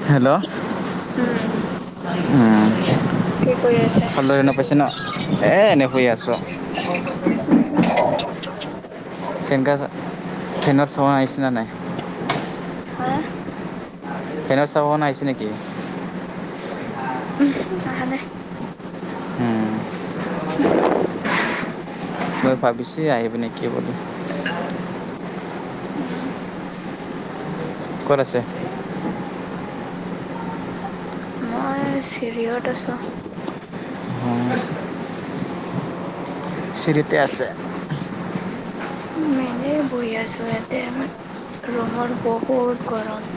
[unintelligible] Hello উম, উম, কি কৰি আছা? ভালদৰে শুনা পাইছে ন? এ এনে শুই আছোঁ, অ। উম উম। চেনকা চা চেন চাৱা আহিছে না নাই? হা। ফ্ৰেন ছাউণ্ড আহিছে নে কি? উম হু আহা নাই। হুম। মই ভাবিছি আহিবি নেকি বুলি। ক'ত আছে। মই চিৰিয়ত আছোঁ। চিৰিতে আছে। মেনে বহি আছো ইয়াতে, ৰুমৰ বহুত গৰম।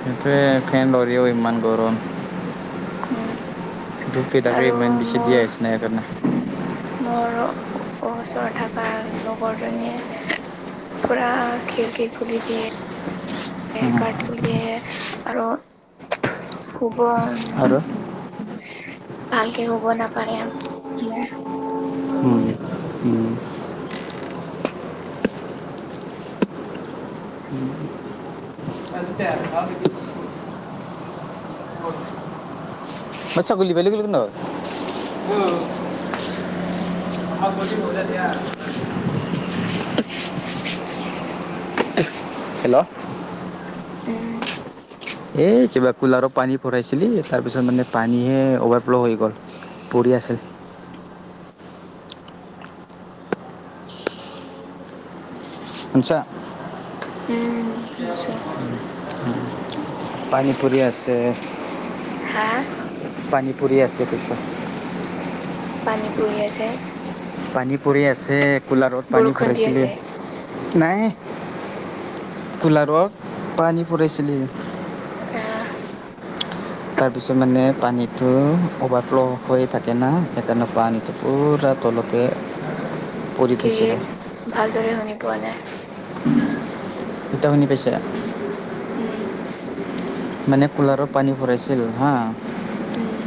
সেইটোৱে ফেন লৰিও ইমান গৰম। হুহ। ধূপ কে তাকে ইমান বেছি দিয়াচ নাই কে না। মোৰ ওচৰত থকা লগৰ জনীয়ে পুৰা খিৰিকী খুলি দিয়ে। এ কাৰ্ট বুলি দিয়ে আৰু শুব। আৰু ভালকে শুব নাপাৰে। উম উম [unintelligible] ম [unintelligible] [inaudible] ছাগলী পলে ন। অ। [inaudible] হেল্ল'। উম। এ কিবা কুলাৰত পানী ভৰাইছিলি তাৰপিছত মানে পানীহে অভাৰ ফ্ল' হৈ গ'ল। পৰি আছিল। উঞ্চা। উম নিশ্চয়। পানীপুৰি আছে। হা! পানী পুৰি আছে পিছা। পানী পুৰি আছে। পানী পৰি আছে কুলাৰত পানী বৰষুণ দি ভৰাইছিলে। আছে নাই কুলাৰত পানী পৰিছিলি। আ। পিছত মানে পানীটো অভাৰফ্ল' হৈয়ে থাকে না সেইকাৰণে পানীটো পুৰা তলতে পৰি কি থৈছিলে ভালদৰে শুনি পোৱা নাই? এতিয়া শুনি পাইচা? উম। মানে কুলাৰত পানী ভৰাইছিল হাঁ। উম।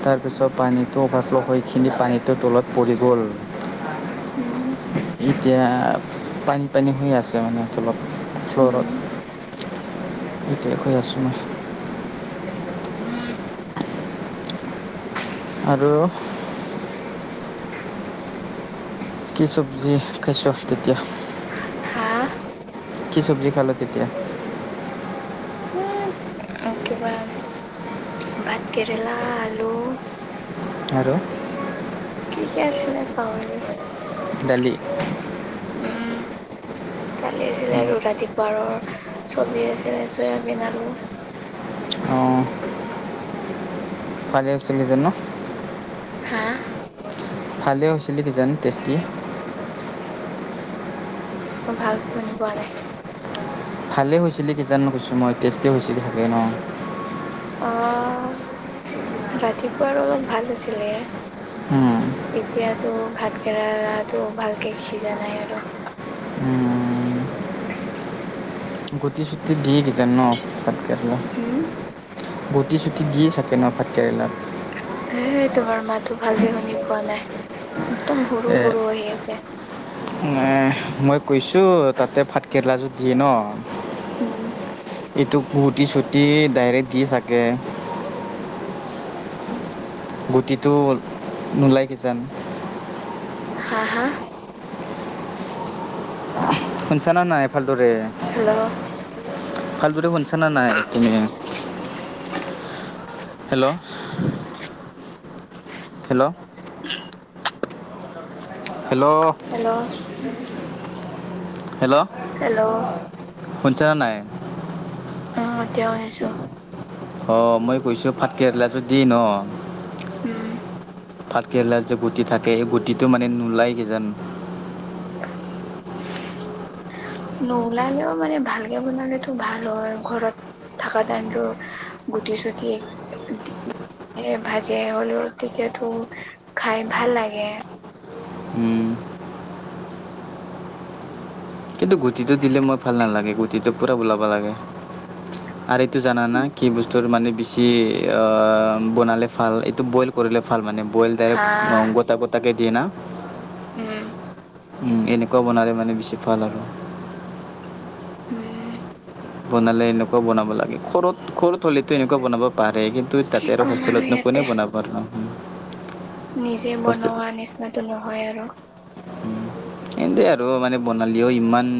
তাৰপিছত পানীটো অভাৰফ্ল' হৈখিনি পানীটোৰ তলত পৰি গ'ল। উম। এতিয়া পানী পানী হৈ আছে মানে অলপ। উম। এতিয়া খৈ আছোঁ নাই। [inaudible] আৰু [inaudible] কি চব্জি খাইছ তেতিয়া? হাঁ! কি চব্জি খালো তেতিয়া? উম কিবা ভাত কেৰেলা, আলু আৰু? কি কি আছিলে পাহৰিলো। দালি। উম, দালি আছিলে আৰু ৰাতি বাৰৰ চব্জি আছিলে চয়াবিন, আলু। অঁ। উ [unintelligible] ভালেছিলি যে ন। হা? ভালেই হৈছিলে কিজান টেষ্টি? উম ভালকে শুনি পোৱা নাই। ভালেই হৈছিলে কিজান কৈছিলো মই, টেষ্টেই হৈছিল চাগে ন? অ', ৰাতিপুৱা অলপ ভাল আছিলে। উম। এতিয়াতো ভাত কেৰালাটো ভালকে সিজা নাই আৰু। উম। গুটি-চুটি দি‌ দিছে ন ভাতকেৰেলা', হম', গুটি- চুটি দিয়ে থাকে ন ভাতকৰেলা', এ', তোমাৰ মাতটো ভালকে শুনি পোৱা নাই, একদম সৰু-সৰু আহি আছে', উম', নাই', মই কৈছোঁ, তাতে ভাতকেৰেলা যোৰ দিয়ে ন? উম ', এইটো গুটি- চুটি ডাইৰেক্ট দি চাগে', গুটিটো নোলাই কিজান? হা', - হা', শুনছা না- নাই এ ভাল দৰে? হেল্ল', ভাল দৰে শুনছা না নাই তুমি', hello, hello, [unintelligible] hello, hello -hello, hello, শুনছা নে নাই? অ', এতিয়াও শুনিছোঁ ', অ', মই কৈছোঁ, ভাতকেৰেলাটো দি ন? উম', ভাতকেৰেলা যে গুটি থাকে, সেই গুটিটো মানে নোলাই কিজান? নোলালেও মানে ভালকে বনালেতো ভাল হয় ঘৰত', থাকা টাইম গুটি- চুটি, এ', -হ', -অ', এই ভাজি হ'লেও তেতিয়াতো খাই ভাল লাগে', হুম', কিন্তু গুটিটো দিলে মই ভাল নালাগে, গুটিটো পুৰা ওলাব লাগে', উম', আৰু এইটো জানানা, কি বস্তুৰ মানে বেছি অহ', বনালে ভাল, এইটো বইল কৰিলে ভাল মানে', বইল ডাইৰেক্ট হাঁহ অ', গোতা- গোতাকে দিয়ে ন? উম', উম, এনেকুৱা বনালে মানে বেছি ভাল আৰু', উম', বনালে এনেকুৱা বনাব লাগে, ঘৰত-ঘৰত হ'লে টো এনেকুৱা বনাব', পাৰে কিন্তু কি তাতে আৰু ক'ম হোষ্টেলত নো ইয়াতে কোনে বনাব আৰু অহ', হম', নিজে বনোৱা নিচিনাতো নহয় আৰু', এনেতেই আৰু মানে বনালীয়েও ইমান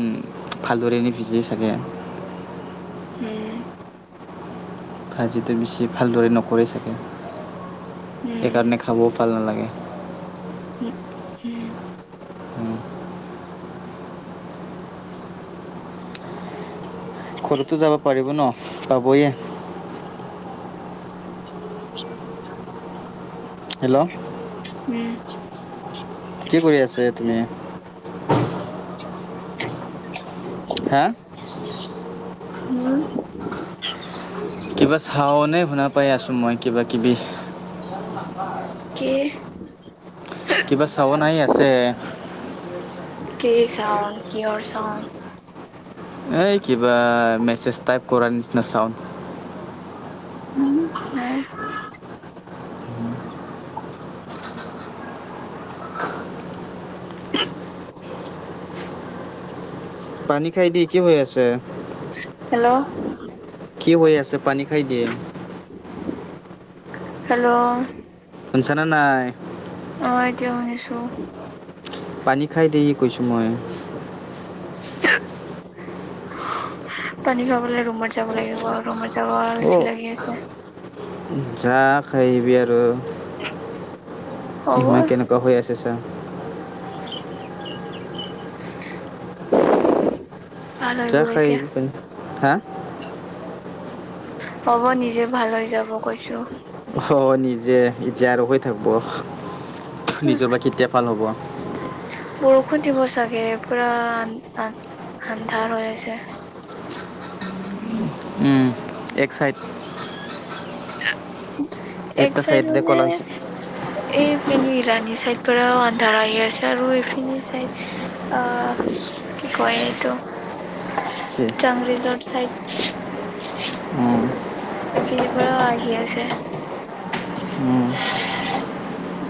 ভালদৰে নিভিজে চাগে? হুম', ভাজিটো বেছি ভালদৰে নকৰে চাগে? উম সেইকাৰণে খাবও ভাল নালাগে', উম', - উম', উম, ঘৰতো যাব পাৰিব ন পাবয়ে', হেল্ল', উম', কি কৰি আছে তুমি? উম', হা', হুম', কিবা চাওনে শুনা পাই আছোঁ মই কিবা-কিবি', কি? কিবা চাৱন আহি আছে? কি ছাউণ্ড? কিহৰ ছাউণ্ড? এই কিবা মেছেজ টাইপ কৰাৰ নিচিনা ছাউণ্ড। উম নাই। পানী খাই দি কি হৈ আছে? হেল্ল'! কি হৈ আছে? পানী খাই দে। হেল্ল'! শুনছানে নাই? অঁ এতিয়া শুনিছো। পানী খাই দি কৈছোঁ মই। থো, পানী খাব গলে ৰুমত যাব লাগিব, ৰুম যাব অ' আলচি লাগি আছে। যা খাই আহিবি আৰু হ'ব ইমান কেনেকুৱা হৈ আছে ছা? ভাল হৈ যা গ'ল খাই এতিয়া। আহিবি পানী। হা? হ'ব নিজে ভাল হৈ যাব কৈছো। অঁ নিজে এতিয়া আৰু হৈ থাকিব নিজৰ বা কেতিয়া ভাল হ'ব? বৰষুণ দিব চাগে পুৰা আন আন্ধাৰ হৈ আছে। উম, এক চাইড। এক এটা চাইজ চাইডে মানে ক'লা হৈছে। এইপিন ইৰাণী চাইড পৰাও আন্ধাৰ আহি আছে আৰু এইফিনি চাইড অ কি কয় এইটো চাং ৰিজৰ্ট চাইড। উম, এইখিনিৰ পৰা আহি আছে। উম।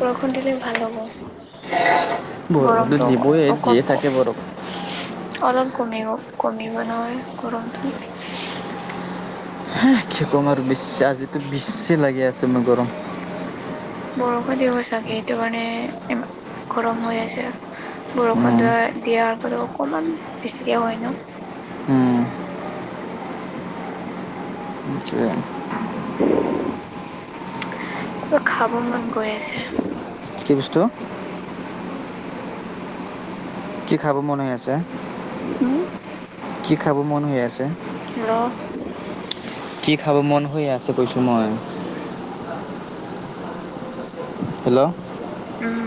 বৰষুণ, দিলে ভাল হ'ব বৰষুণটো গৰমটো দিবই দিয়ে অকপ ক থাকে বৰষুণ। অলপ কমি কমিব ন হয়। গৰমটো হা, কি কম আৰু বেছ আজিতো বেছি লাগি আছে মোৰ গৰম। বৰষুণ দিব চাগে সেইটো কাৰণে ইমা গৰম হৈ আছে, বৰষুণ উম, দই দিয়াৰ ফল অকমান বেছিকে হয় ন? উম কিবা খাব মন গৈ আছে? কি বস্তু? [inaudible] কি খাব মন হৈ আছে। উম, কি খাব মন হৈ আছে? হেল্ল' কি খাব মন হৈ আছে কৈছো মই- উম হেল্ল' উম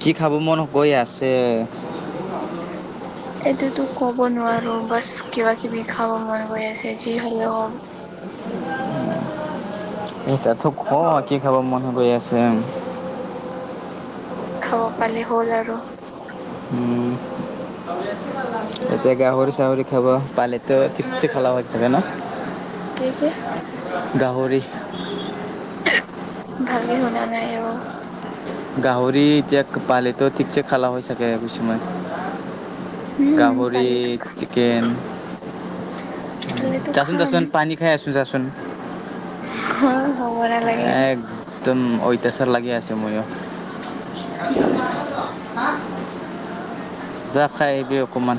কি খাব মন গৈ আছে? [inaudible] এইটোতো ক'ব নোৱাৰো বাচ কিবা- কিবি খাব মন গৈ আছে যি হলেও হওক, - এতাতো ক, কি খাব মন গৈ আছে? খাব পালে হল আৰু উম এতিয়া গাহৰি চাহৰি খাব পালেত ঠিকছে খালা হৈ চাগ ন। কিহে কিহে গাহৰি ভালকে শুনা নাই আ গাহৰি, এতিয়া পালেতো ঠিকছে খালা হৈ চাকে কৈছোঁ মই উম গাহৰি, পালেতো চিকেন পালেতো যাচোন খাম যাচোন পানী খাই আছোন যাচোন। ঘ এ একদম ঐতাচাৰ লাগি আছে মইয়ো যা খাই আহিবি অকমান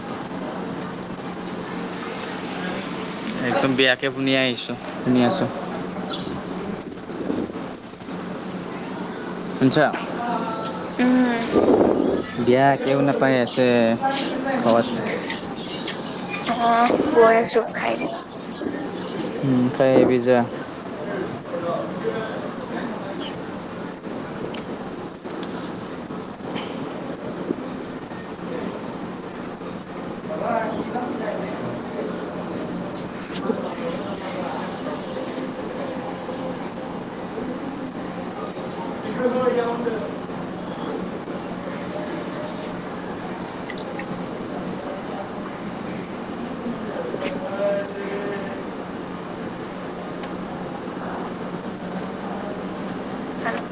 একদম বেয়াকে শুনি আহিছোঁ শুনি আছোঁ। [unintelligible] শুনছা? উম, দিয়া কেও নপাই আছে ঘৰত অ গৈ আছো খাই। উ খাই আহিবি যা [inaudible] [unintelligible] [unintelligible] [inaudible] উম [unintelligible] [unintelligible] হেল্লো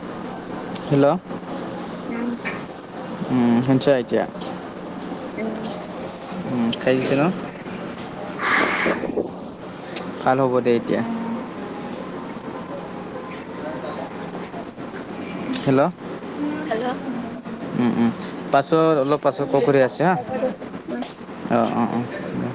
হেল্ল' উম। উম শুনছা এতিয়া। উম। উম খাই গিছে ন [unintelligible] ভাল হ'ব দে এতিয়া। [inaudible] হেল্ল' হেল্ল' উম উম পাছৰ অলপ পাছৰ উম, কলকৰি আছে হা হ'ব দে উম। অ অ অ